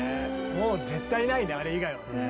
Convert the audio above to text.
もう絶対ないねあれ以外はね。